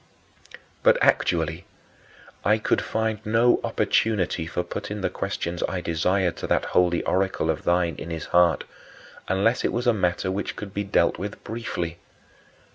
4. But actually I could find no opportunity of putting the questions I desired to that holy oracle of thine in his heart, unless it was a matter which could be dealt with briefly.